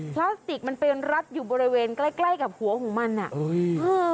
พลาสติกมันเป็นรัดอยู่บริเวณใกล้กับหัวของมันนี่